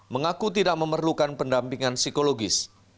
mengaku tidak memerlukan pendampingan psikologis